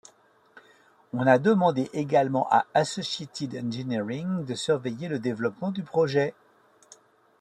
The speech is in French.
On a demandé également à Associated Engineering de surveiller le développement du projet.